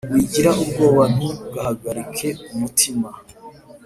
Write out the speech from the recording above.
Wigira ubwoba ntuhagarike umutima